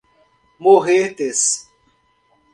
Morretes